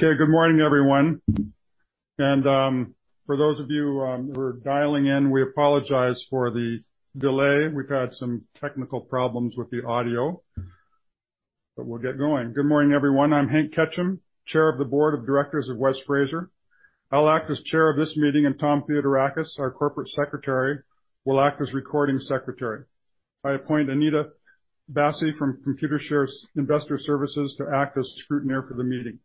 Good morning, everyone. I'm Hank Ketcham, Chair of the Board of Directors of West Fraser. I'll act as Chair of this meeting, and Tom Theodorakis, our Corporate Secretary, will act as recording secretary. I appoint Anita Bassi from Computershare's Investor Services to act as Scrutineer for the meeting.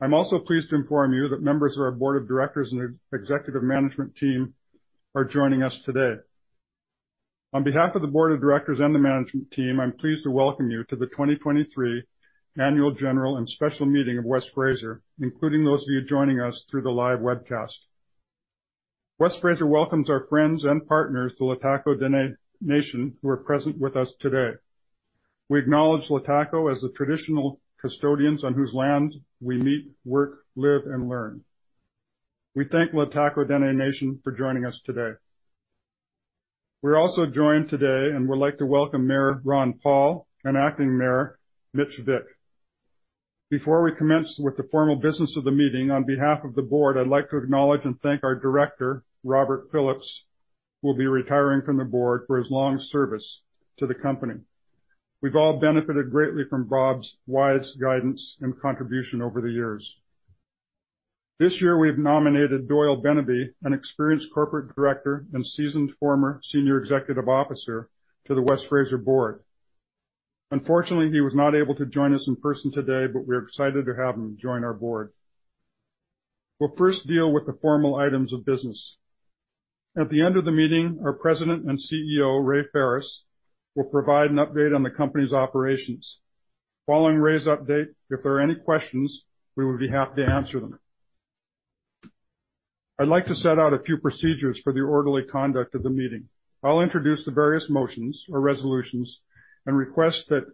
I'm also pleased to inform you that members of our Board of Directors and executive management team are joining us today. On behalf of the Board of Directors and the management team, I'm pleased to welcome you to the 2023 annual general and special meeting of West Fraser, including those of you joining us through the live webcast. West Fraser welcomes our friends and partners, the Lhtako Dene Nation, who are present with us today. We acknowledge Lhtako as the traditional custodians on whose lands we meet, work, live, and learn. We thank Lhtako Dene Nation for joining us today. We're also joined today and would like to welcome Mayor Ron Paull and Acting Mayor Mitch Vik. Before we commence with the formal business of the meeting, on behalf of the board, I'd like to acknowledge and thank our Director Robert Phillips, who will be retiring from the board, for his long service to the company. We've all benefited greatly from Rob's wise guidance and contribution over the years. This year, we've nominated Doyle Beneby, an experienced corporate director and seasoned former senior executive officer to the West Fraser Board. Unfortunately, he was not able to join us in person today, but we're excited to have him join our board. We'll first deal with the formal items of business. At the end of the meeting, our President and CEO, Ray Ferris, will provide an update on the company's operations. Following Ray's update, if there are any questions, we would be happy to answer them. I'd like to set out a few procedures for the orderly conduct of the meeting. I'll introduce the various motions or resolutions and request that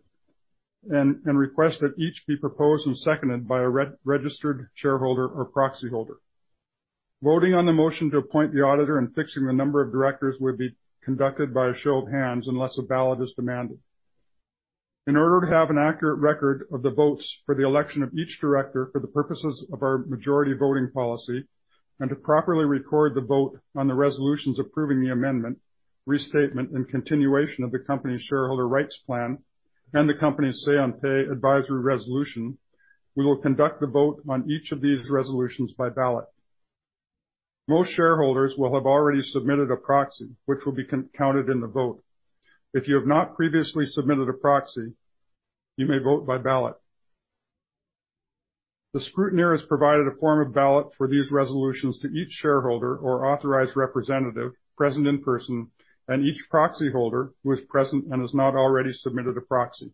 each be proposed and seconded by a registered shareholder or proxy holder. Voting on the motion to appoint the auditor and fixing the number of directors would be conducted by a show of hands unless a ballot is demanded. In order to have an accurate record of the votes for the election of each director for the purposes of our majority voting policy, and to properly record the vote on the resolutions approving the amendment, restatement, and continuation of the company's shareholder rights plan, and the company's say-on-pay advisory resolution, we will conduct the vote on each of these resolutions by ballot. Most shareholders will have already submitted a proxy, which will be counted in the vote. If you have not previously submitted a proxy, you may vote by ballot. The scrutineer has provided a form of ballot for these resolutions to each shareholder or authorized representative present in person, and each proxy holder who is present and has not already submitted a proxy.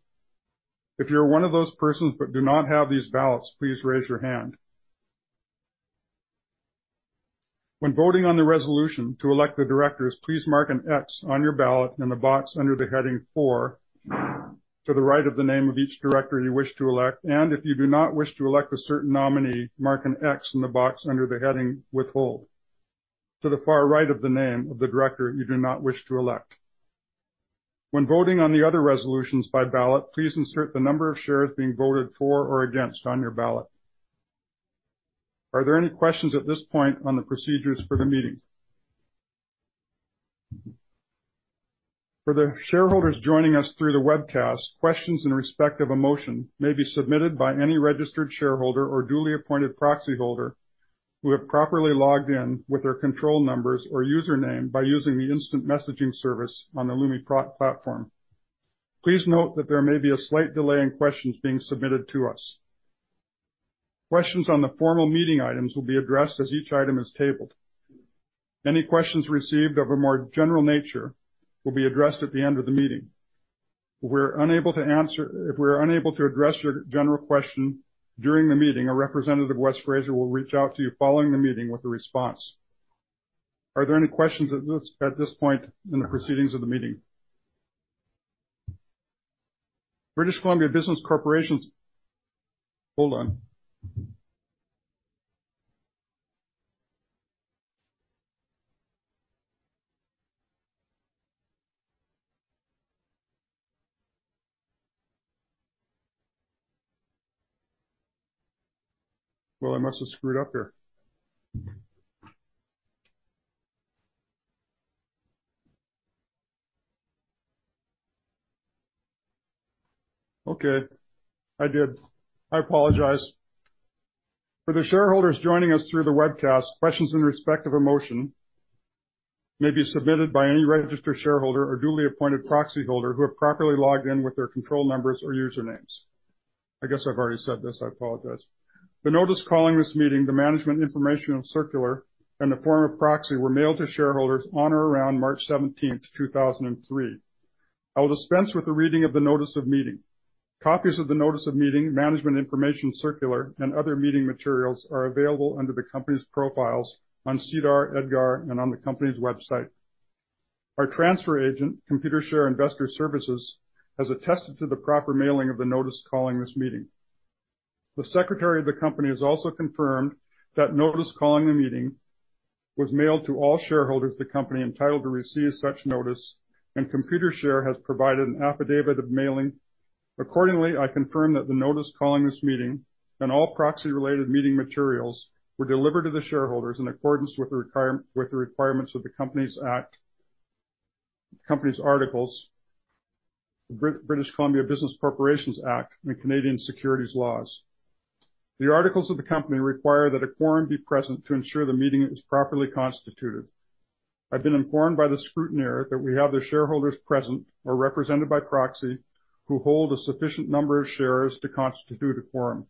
If you're one of those persons but do not have these ballots, please raise your hand. When voting on the resolution to elect the directors, please mark an X on your ballot in the box under the heading four to the right of the name of each director you wish to elect. If you do not wish to elect a certain nominee, mark an X in the box under the heading withhold to the far right of the name of the director you do not wish to elect. When voting on the other resolutions by ballot, please insert the number of shares being voted for or against on your ballot. Are there any questions at this point on the procedures for the meeting? For the shareholders joining us through the webcast, questions in respect of a motion may be submitted by any registered shareholder or duly appointed proxyholder who have properly logged in with their control numbers or username by using the instant messaging service on the Lumi platform. Please note that there may be a slight delay in questions being submitted to us. Questions on the formal meeting items will be addressed as each item is tabled. Any questions received of a more general nature will be addressed at the end of the meeting. If we're unable to address your general question during the meeting, a representative of West Fraser will reach out to you following the meeting with a response. Are there any questions at this point in the proceedings of the meeting? British Columbia Business Corporations... Hold on. For the shareholders joining us through the webcast, questions in respect of a motion may be submitted by any registered shareholder or duly appointed proxyholder who have properly logged in with their control numbers or usernames. The notice calling this meeting, the management information circular, and the form of proxy were mailed to shareholders on or around March 17, 2023. I will dispense with the reading of the notice of meeting. Copies of the notice of meeting, management information circular, and other meeting materials are available under the company's profiles on SEDAR, EDGAR, and on the company's website. Our transfer agent, Computershare Investor Services, has attested to the proper mailing of the notice calling this meeting. The Secretary of the company has also confirmed that notice calling the meeting was mailed to all shareholders of the company entitled to receive such notice. Computershare has provided an affidavit of mailing. Accordingly, I confirm that the notice calling this meeting and all proxy-related meeting materials were delivered to the shareholders in accordance with the requirements of the Companies Act, the company's articles, British Columbia Business Corporations Act, and Canadian securities laws. The articles of the company require that a quorum be present to ensure the meeting is properly constituted. I've been informed by the scrutineer that we have the shareholders present or represented by proxy, who hold a sufficient number of shares to constitute a quorum.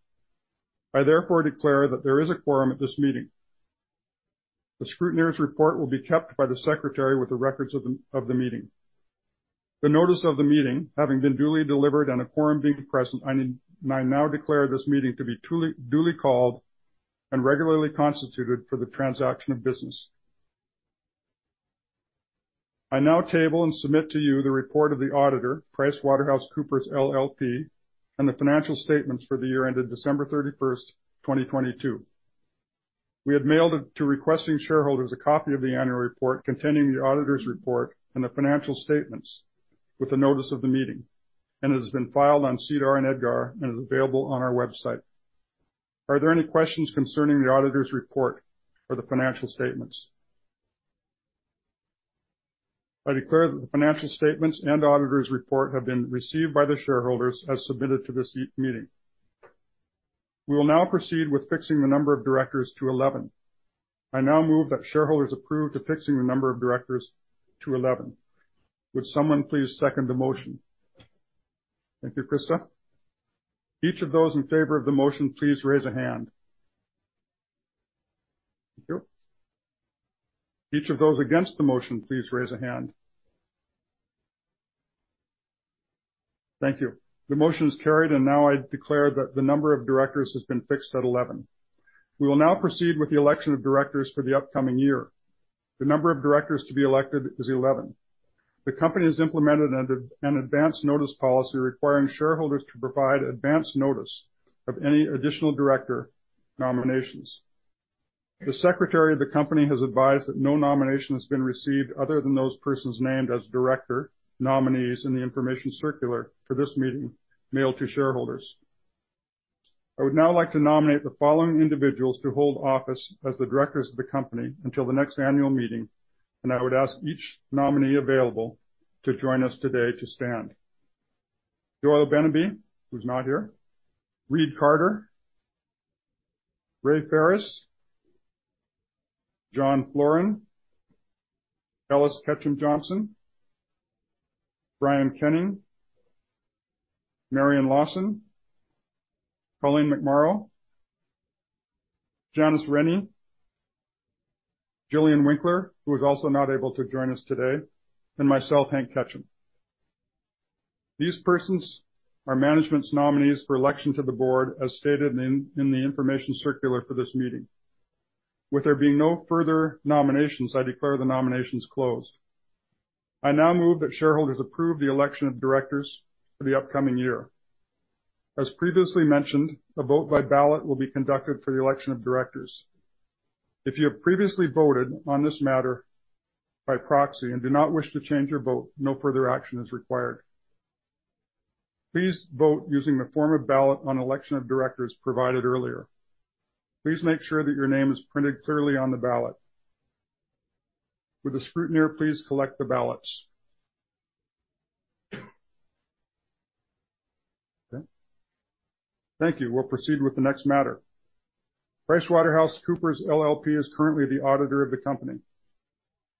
I therefore declare that there is a quorum at this meeting. The scrutineer's report will be kept by the secretary with the records of the meeting. The notice of the meeting, having been duly delivered and a quorum being present, I now declare this meeting to be duly called and regularly constituted for the transaction of business. I now table and submit to you the report of the auditor, PricewaterhouseCoopers LLP, and the financial statements for the year ended December 31st, 2022. We have mailed to requesting shareholders a copy of the annual report containing the auditor's report and the financial statements with the notice of the meeting, and it has been filed on SEDAR and EDGAR and is available on our website. Are there any questions concerning the auditor's report or the financial statements? I declare that the financial statements and auditor's report have been received by the shareholders as submitted to this meeting. We will now proceed with fixing the number of directors to 11. I now move that shareholders approve fixing the number of directors at 11. Would someone please second the motion? Thank you, Krista. All those in favor of the motion, please raise your hand. Thank you. Each of those against the motion, please raise a hand. Thank you. The motion is carried, and now I declare that the number of directors has been fixed at 11. We will now proceed with the election of directors for the upcoming year. The number of directors to be elected is 11. The company has implemented an advance notice policy requiring shareholders to provide advance notice of any additional director nominations. The Secretary of the company has advised that no nomination has been received other than those persons named as director nominees in the information circular for this meeting mailed to shareholders. I would now like to nominate the following individuals to hold office as the directors of the company until the next annual meeting, and I would ask each nominee available to join us today to stand. Doyle Beneby, who's not here. Reid Carter. Ray Ferris. John Floren. Ellis Ketcham Johnson. Brian Kenning. Marian Lawson. Colleen McMorrow. Janice Rennie. Gillian Winckler, who is also not able to join us today, and myself, Hank Ketcham. These persons are management's nominees for election to the board, as stated in the information circular for this meeting. With there being no further nominations, I declare the nominations closed. I now move that shareholders approve the election of directors for the upcoming year. As previously mentioned, a vote by ballot will be conducted for the election of directors. If you have previously voted on this matter by proxy and do not wish to change your vote, no further action is required. Please vote using the form of ballot on election of directors provided earlier. Please make sure that your name is printed clearly on the ballot. Will the scrutineer please collect the ballots? Okay. Thank you. We'll proceed with the next matter. PricewaterhouseCoopers LLP is currently the auditor of the company.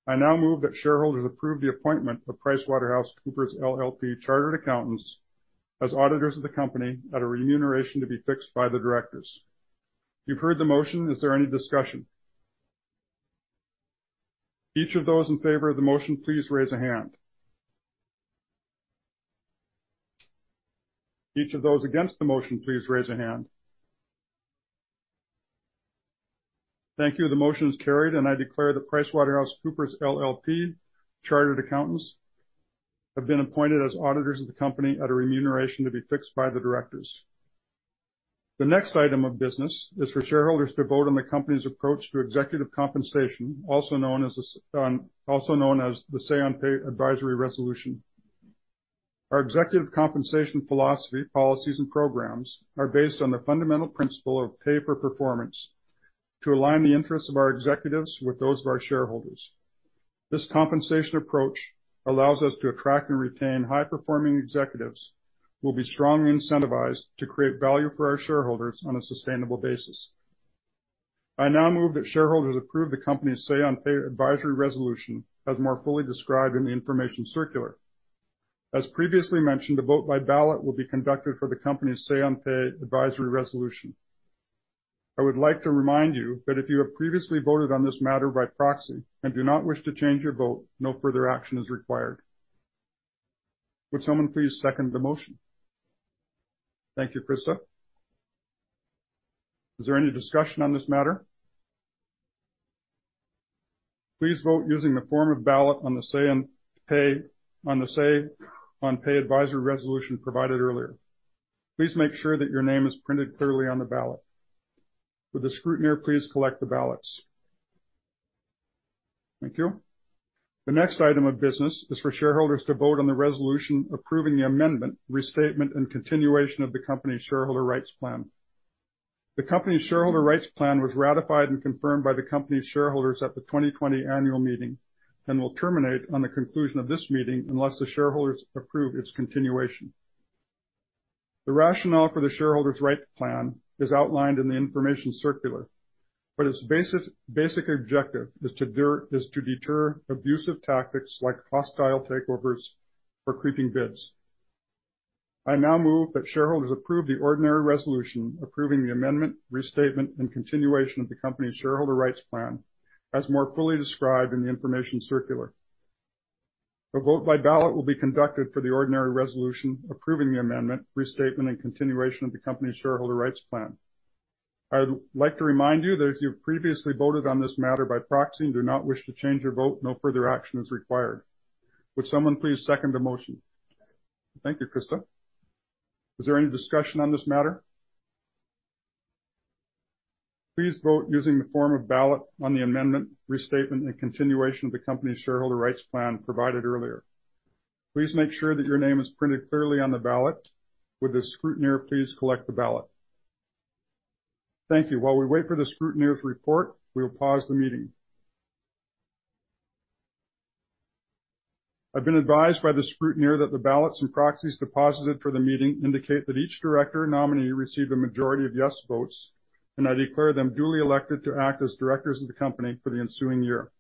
I now move that shareholders approve the appointment of PricewaterhouseCoopers LLP, Chartered Accountants, as auditors of the company at a remuneration to be fixed by the directors. You've heard the motion. Is there any discussion? All those in favor of the motion, please raise your hand. Each of those against the motion, please raise a hand. Thank you. The motion is carried. I declare that PricewaterhouseCoopers LLP, Chartered Accountants, have been appointed as auditors of the company at a remuneration to be fixed by the directors. The next item of business is for shareholders to vote on the company's approach to executive compensation, also known as the say-on-pay advisory resolution. Our executive compensation philosophy, policies, and programs are based on the fundamental principle of pay for performance to align the interests of our executives with those of our shareholders. This compensation approach allows us to attract and retain high-performing executives who will be strongly incentivized to create value for our shareholders on a sustainable basis. I now move that shareholders approve the company's say-on-pay advisory resolution, as more fully described in the information circular. As previously mentioned, a vote by ballot will be conducted for the company's say-on-pay advisory resolution. I would like to remind you that if you have previously voted on this matter by proxy and do not wish to change your vote, no further action is required. Would someone please second the motion? Thank you, Krista. Is there any discussion on this matter? Please vote using the form of ballot on the say-on-pay advisory resolution provided earlier. Please make sure that your name is printed clearly on the ballot. Would the scrutineer please collect the ballots? Thank you. The next item of business is for shareholders to vote on the resolution approving the amendment, restatement, and continuation of the company's shareholder rights plan. The company's shareholder rights plan was ratified and confirmed by the company's shareholders at the 2020 annual meeting and will terminate on the conclusion of this meeting unless the shareholders approve its continuation. The rationale for the shareholders' rights plan is outlined in the information circular, but its basic objective is to deter abusive tactics like hostile takeovers or creeping bids. I now move that shareholders approve the ordinary resolution approving the amendment, restatement, and continuation of the company's shareholder rights plan, as more fully described in the information circular. A vote by ballot will be conducted for the ordinary resolution approving the amendment, restatement, and continuation of the company's shareholder rights plan. I would like to remind you that if you've previously voted on this matter by proxy and do not wish to change your vote, no further action is required. Would someone please second the motion? Thank you, Krista. Is there any discussion on this matter? Please vote using the form of ballot on the amendment, restatement, and continuation of the company's shareholder rights plan provided earlier. Please make sure that your name is printed clearly on the ballot. Would the scrutineer please collect the ballots? Thank you. While we wait for the scrutineer's report, we will pause the meeting. I've been advised by the scrutineer that the ballots and proxies deposited for the meeting indicate that each director nominee received a majority of yes votes, and I declare them duly elected to act as directors of the company for the ensuing year.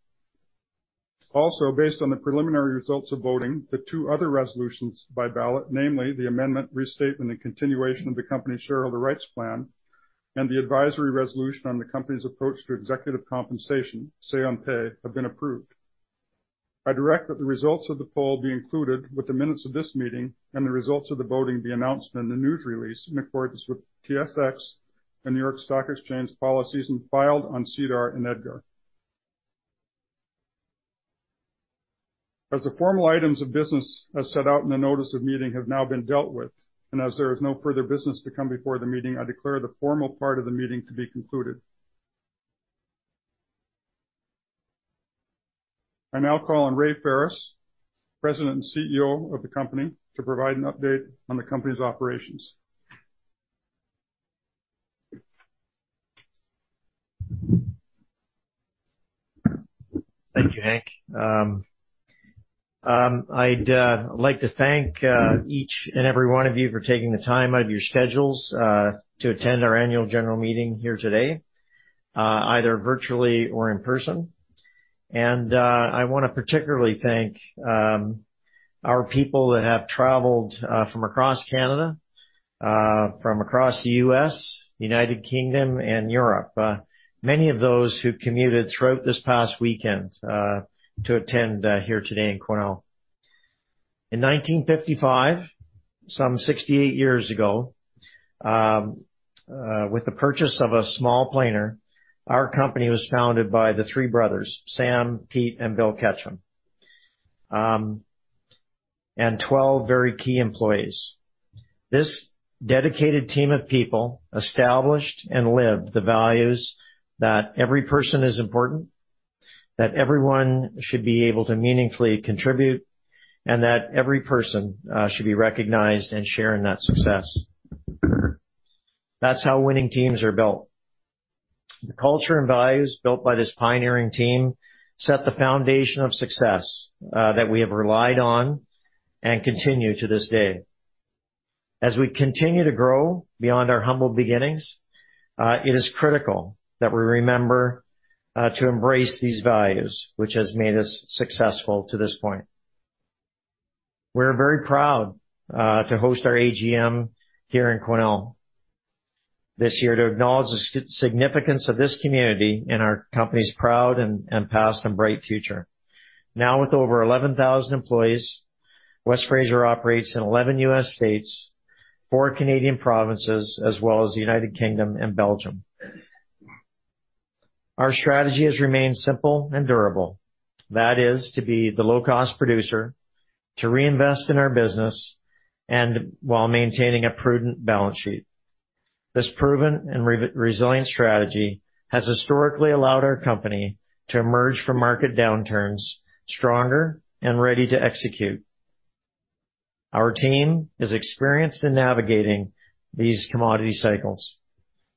Also, based on the preliminary results of voting, the two other resolutions by ballot, namely the amendment, restatement, and continuation of the company's shareholder rights plan and the advisory resolution on the company's approach to executive compensation, say-on-pay, have been approved. I direct that the results of the poll be included with the minutes of this meeting and the results of the voting be announced in the news release in accordance with TSX and New York Stock Exchange policies and filed on SEDAR and EDGAR. As the formal items of business as set out in the notice of meeting have now been dealt with, and as there is no further business to come before the meeting, I declare the formal part of the meeting to be concluded. I now call on Ray Ferris, President and CEO of the company, to provide an update on the company's operations. Thank you, Hank. I'd like to thank each and every one of you for taking the time out of your schedules to attend our annual general meeting here today, either virtually or in person. I want to particularly thank our people that have traveled from across Canada, from across the U.S., the United Kingdom and Europe. Many of those who commuted throughout this past weekend to attend here today in Quesnel. In 1955, some 68 years ago, with the purchase of a small planer, our company was founded by the three brothers, Sam, Pete, and Bill Ketcham, and 12 very key employees. This dedicated team of people established and lived the values that every person is important, that everyone should be able to meaningfully contribute, and that every person should be recognized and share in that success. That's how winning teams are built. The culture and values built by this pioneering team set the foundation of success that we have relied on and continue to this day. As we continue to grow beyond our humble beginnings, it is critical that we remember to embrace these values which have made us successful to this point. We're very proud to host our AGM here in Quesnel this year to acknowledge the significance of this community and our company's proud past and bright future. Now with over 11,000 employees, West Fraser operates in 11 US states, 4 Canadian provinces, as well as the United Kingdom and Belgium. Our strategy has remained simple and durable. That is to be the low-cost producer, to reinvest in our business, and while maintaining a prudent balance sheet. This proven and resilient strategy has allowed our company to emerge from market downturns stronger and ready to execute. Our team is experienced in navigating these commodity cycles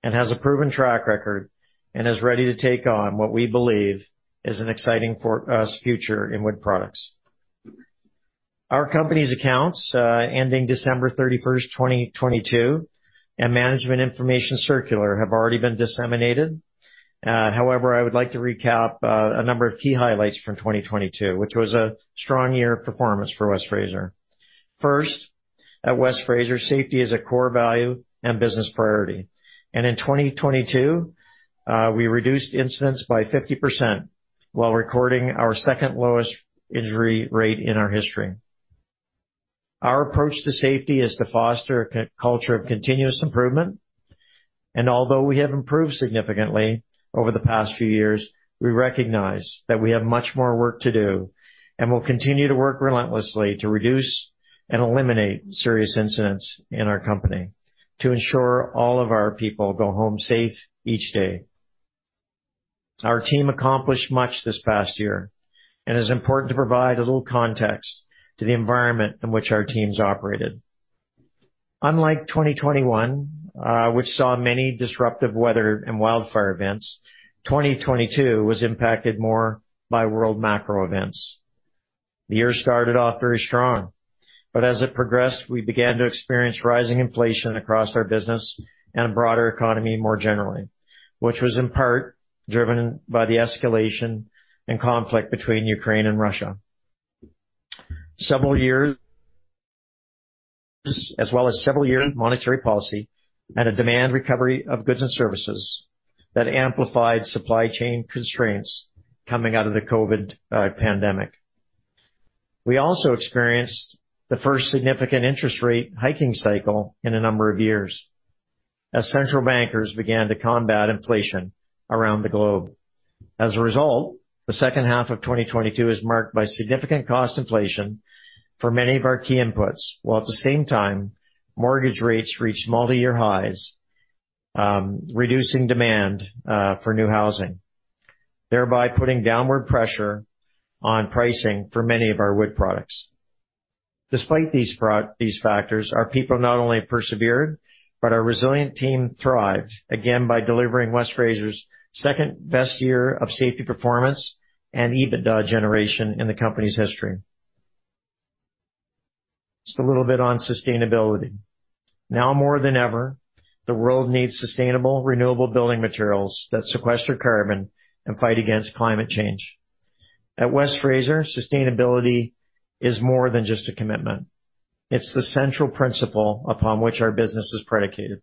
and has a proven track record and is ready to take on what we believe is an exciting future in wood products. Our company's accounts, ending December 31, 2022, and management information circular have already been disseminated. However, I would like to recap a number of key highlights from 2022, which was a strong year of performance for West Fraser. First, at West Fraser, safety is a core value and business priority. In 2022, we reduced incidents by 50% while recording our second lowest injury rate in our history. Our approach to safety is to foster a culture of continuous improvement. Although we have improved significantly over the past few years, we recognize that we have much more work to do, and we'll continue to work relentlessly to reduce and eliminate serious incidents in our company to ensure all of our people go home safe each day. Our team accomplished much this past year, and it's important to provide a little context to the environment in which our teams operated. Unlike 2021, which saw many disruptive weather and wildfire events, 2022 was impacted more by world macro events. The year started off very strong, but as it progressed, we began to experience rising inflation across our business and broader economy more generally, which was in part driven by the escalation and conflict between Ukraine and Russia. Several years of accommodative monetary policy contributed to demand recovery of goods and services that amplified supply chain constraints coming out of the COVID pandemic. We also experienced the first significant interest rate hiking cycle in a number of years as central bankers began to combat inflation around the globe. As a result, the second half of 2022 was marked by significant cost inflation for many of our key inputs, while at the same time mortgage rates reached multiyear highs, reducing demand for new housing, thereby putting downward pressure on pricing for many of our wood products. Despite these factors, our people not only persevered, but our resilient team thrived again by delivering West Fraser's second-best year of safety, performance, and EBITDA generation in the company's history. Just a little bit on sustainability. Now more than ever, the world needs sustainable, renewable building materials that sequester carbon and fight against climate change. At West Fraser, sustainability is more than just a commitment. It's the central principle upon which our business is predicated.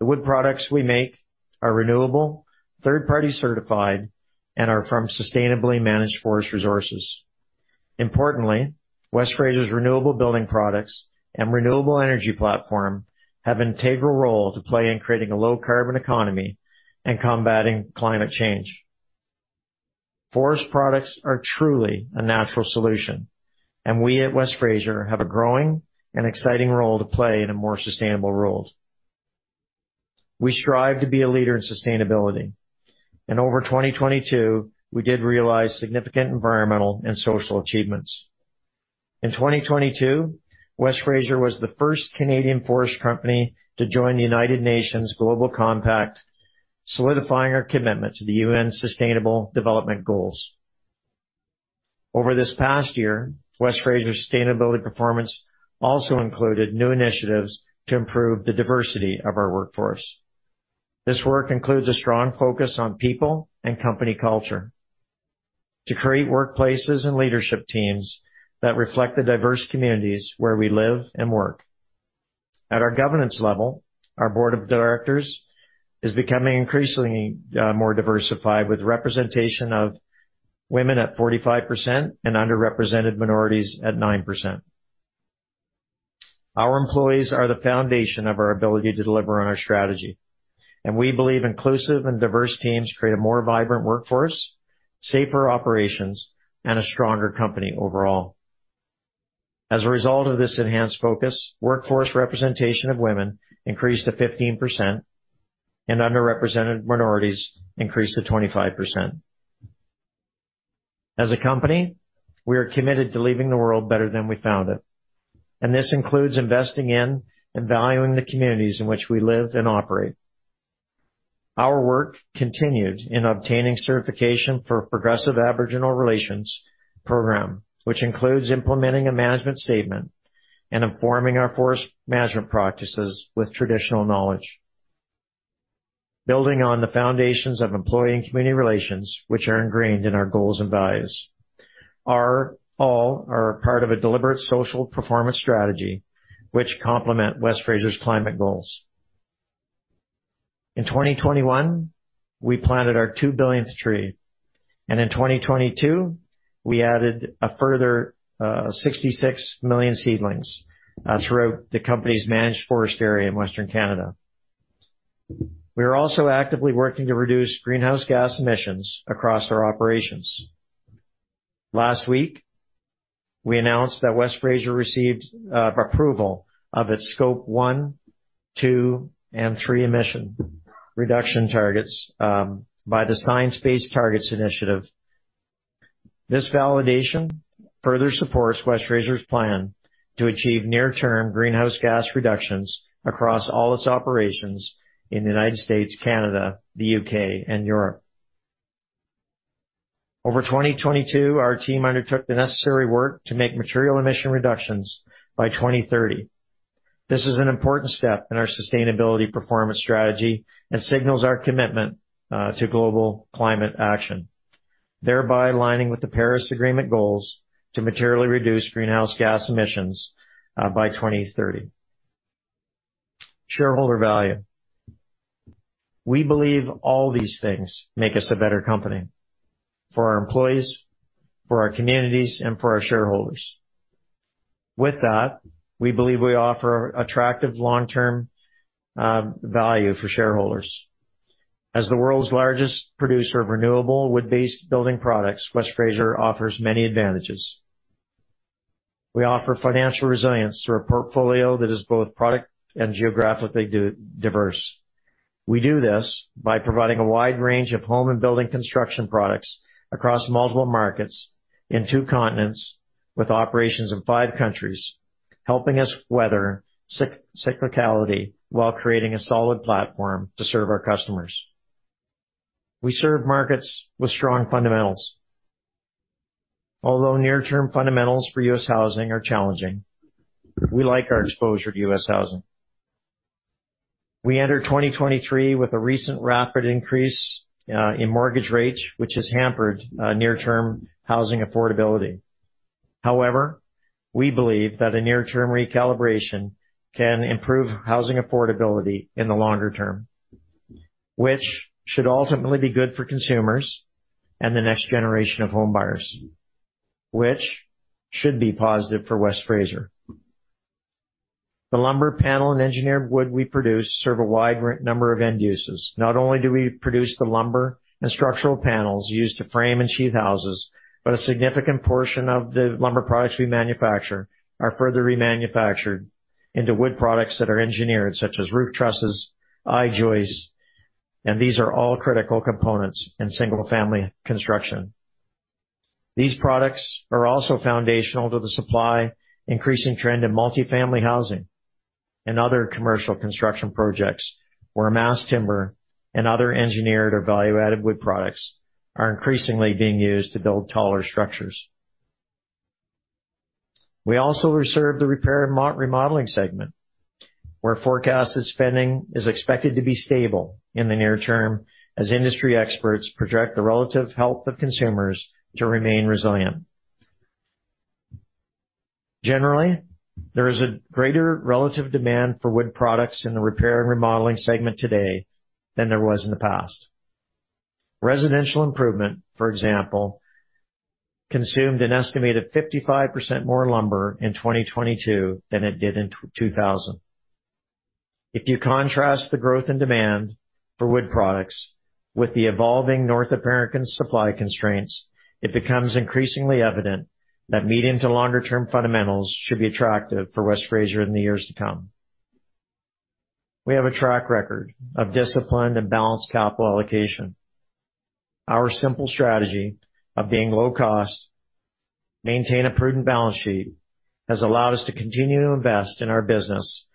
The wood products we make are renewable, third-party certified, and are from sustainably managed forest resources. Importantly, West Fraser's renewable building products and renewable energy platform have an integral role to play in creating a low-carbon economy and combating climate change. Forest products are truly a natural solution, and we at West Fraser have a growing and exciting role to play in a more sustainable world. We strive to be a leader in sustainability. In 2022, we achieved significant environmental and social milestones. In 2022, West Fraser was the first Canadian forest company to join the United Nations Global Compact, solidifying our commitment to the UN Sustainable Development Goals. Over this past year, West Fraser's sustainability performance also included new initiatives to improve the diversity of our workforce. This work includes a strong focus on people and company culture to create workplaces and leadership teams that reflect the diverse communities where we live and work. At our governance level, our board of directors is becoming increasingly more diversified, with representation of women at 45% and underrepresented minorities at 9%. Our employees are the foundation of our ability to deliver on our strategy, and we believe inclusive and diverse teams create a more vibrant workforce, safer operations, and a stronger company overall. As a result of this enhanced focus, workforce representation of women increased to 15% and underrepresented minorities increased to 25%. As a company, we are committed to leaving the world better than we found it, and this includes investing in and valuing the communities in which we live and operate. Our work continued toward obtaining certification under the Progressive Aboriginal Relations program, which includes implementing a management statement and informing our forest management practices with traditional knowledge. Building on the foundations of employee and community relations, which are ingrained in our goals and values are all part of a deliberate social performance strategy which complement West Fraser's climate goals. In 2021, we planted our 2-billionth tree. In 2022, we added a further 66 million seedlings throughout the company's managed forest area in Western Canada. We are also actively working to reduce greenhouse gas emissions across our operations. Last week, we announced that West Fraser received approval of its Scope 1, 2, and 3 emission reduction targets by the Science Based Targets initiative. This validation further supports West Fraser's plan to achieve near-term greenhouse gas reductions across all its operations in the United States, Canada, the U.K. and Europe. Over 2022, our team undertook the necessary work to make material emission reductions by 2030. This is an important step in our sustainability performance strategy and signals our commitment to global climate action, thereby aligning with the Paris Agreement goals to materially reduce greenhouse gas emissions by 2030. Shareholder value. We believe all these things make us a better company for our employees, for our communities, and for our shareholders. With that, we believe we offer attractive long-term value for shareholders. As the world's largest producer of renewable wood-based building products, West Fraser offers many advantages. We offer financial resilience through a portfolio that is both product and geographically diverse. We do this by providing a wide range of home and building construction products across multiple markets in two continents with operations in five countries, helping us weather cyclicality while creating a solid platform to serve our customers. We serve markets with strong fundamentals. Although near-term fundamentals for U.S. housing are challenging, we like our exposure to U.S. housing. We enter 2023 with a recent rapid increase in mortgage rates, which has hampered near-term housing affordability. However, we believe that a near-term recalibration can improve housing affordability in the longer term, which should ultimately be good for consumers and the next generation of homebuyers, which should be positive for West Fraser. The lumber panel and engineered wood we produce serve a wide number of end uses. Not only do we produce the lumber and structural panels used to frame and sheathe houses, but a significant portion of the lumber products we manufacture are further remanufactured into wood products that are engineered, such as roof trusses, I-joists, and these are all critical components in single-family construction. These products are also foundational to the supply increasing trend in multifamily housing and other commercial construction projects where mass timber and other engineered or value-added wood products are increasingly being used to build taller structures. We also reserve the repair and remodeling segment, where forecasted spending is expected to be stable in the near term as industry experts project the relative health of consumers to remain resilient. Generally, there is a greater relative demand for wood products in the repair and remodeling segment today than there was in the past. Residential improvement, for example, consumed an estimated 55% more lumber in 2022 than it did in 2000. If you contrast the growth in demand for wood products with the evolving North American supply constraints, it becomes increasingly evident that medium to longer-term fundamentals should be attractive for West Fraser in the years to come. We have a track record of disciplined and balanced capital allocation. Our simple strategy of being low cost, maintain a prudent balance sheet, has allowed us to continue to invest in our business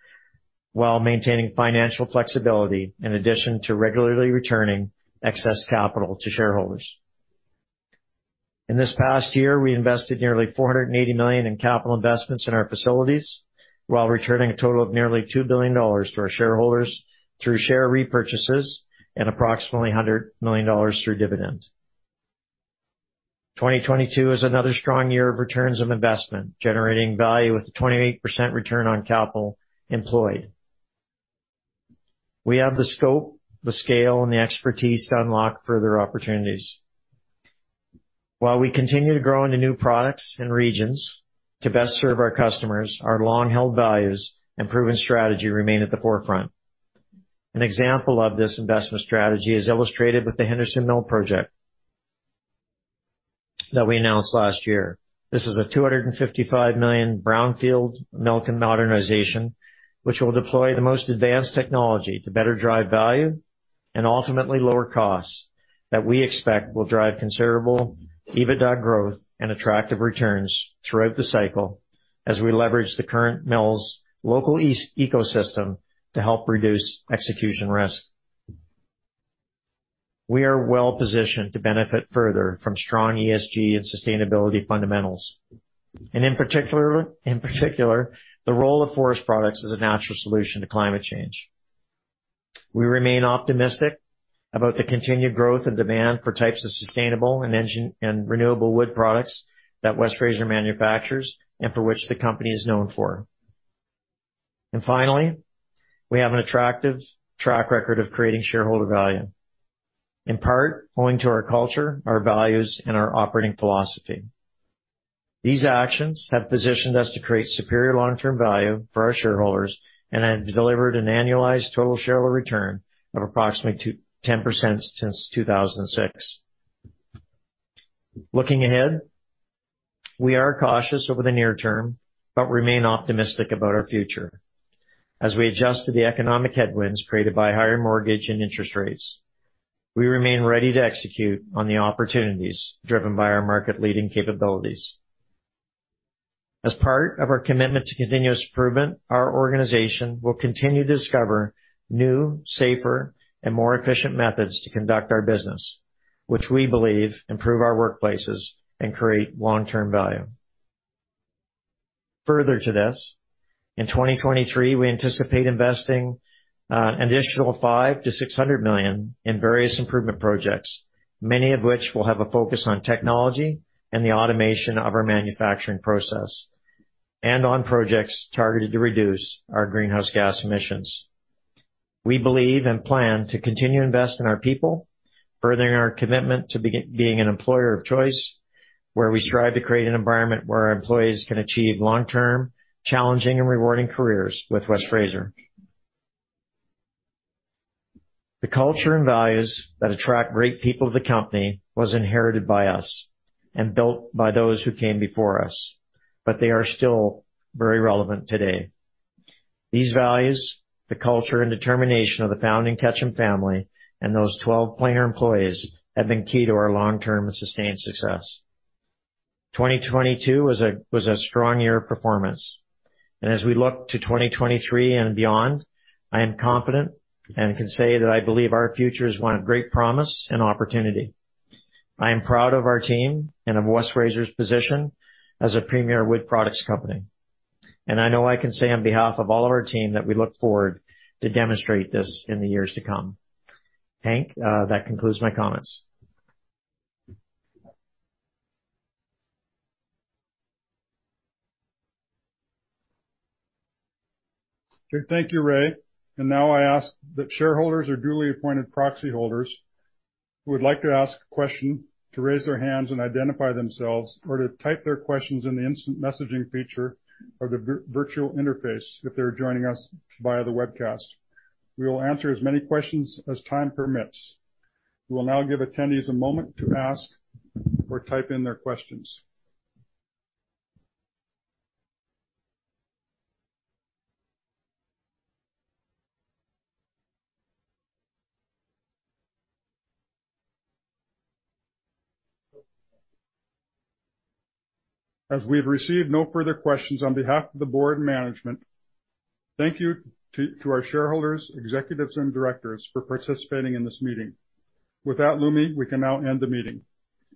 while maintaining financial flexibility in addition to regularly returning excess capital to shareholders. In this past year, we invested nearly $480 million in capital investments in our facilities while returning a total of nearly $2 billion to our shareholders through share repurchases and approximately $100 million through dividends. 2022 is another strong year of returns on investment, generating value with a 28% return on capital employed. We have the scope, the scale, and the expertise to unlock further opportunities. While we continue to grow into new products and regions to best serve our customers, our long-held values and proven strategy remain at the forefront. An example of this investment strategy is illustrated with the Henderson Mill project that we announced last year. This is a $255 million brownfield mill modernization, which will deploy the most advanced technology to better drive value and ultimately lower costs that we expect will drive considerable EBITDA growth and attractive returns throughout the cycle as we leverage the current mill's local ecosystem to help reduce execution risk. We are well-positioned to benefit further from strong ESG and sustainability fundamentals, and in particular, the role of forest products as a natural solution to climate change. We remain optimistic about the continued growth and demand for types of sustainable and renewable wood products that West Fraser manufactures and for which the company is known for. Finally, we have an attractive track record of creating shareholder value, in part owing to our culture, our values, and our operating philosophy. These actions have positioned us to create superior long-term value for our shareholders and have delivered an annualized total shareholder return of approximately 10% since 2006. Looking ahead, we are cautious over the near term but remain optimistic about our future. As we adjust to the economic headwinds created by higher mortgage and interest rates, we remain ready to execute on the opportunities driven by our market-leading capabilities. As part of our commitment to continuous improvement, our organization will continue to discover new, safer, and more efficient methods to conduct our business, which we believe improve our workplaces and create long-term value. Further to this, in 2023, we anticipate investing an additional $500 million-$600 million in various improvement projects, many of which will have a focus on technology and the automation of our manufacturing process, and on projects targeted to reduce our greenhouse gas emissions. We believe and plan to continue to invest in our people, furthering our commitment to being an employer of choice, where we strive to create an environment where our employees can achieve long-term, challenging, and rewarding careers with West Fraser. The culture and values that attract great people to the company was inherited by us and built by those who came before us, but they are still very relevant today. These values, the culture, and determination of the founding Ketcham family and those 12 planer employees have been key to our long-term and sustained success. 2022 was a strong year of performance. As we look to 2023 and beyond, I am confident and can say that I believe our future is one of great promise and opportunity. I am proud of our team and of West Fraser's position as a premier wood products company. I know I can say on behalf of all of our team that we look forward to demonstrate this in the years to come. Hank, that concludes my comments. Good. Thank you, Ray. Now I ask that shareholders or duly appointed proxy holders who would like to ask a question to raise their hands and identify themselves, or to type their questions in the instant messaging feature of the virtual interface if they're joining us via the webcast. We will answer as many questions as time permits. We will now give attendees a moment to ask or type in their questions. As we've received no further questions on behalf of the board and management, thank you to our shareholders, executives and directors for participating in this meeting. With that, Lumi, we can now end the meeting.